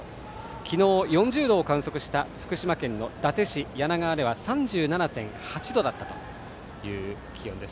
昨日、４０度を観測した福島県伊達市梁川では３７．８度だったという気温です。